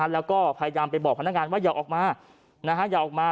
แล้วก็พยายามไปบอกพนักงานว่าอย่าออกมาอย่าออกมา